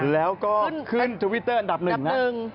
แล้วก็ขึ้นทวิตเตอร์อันดับหนึ่งนะ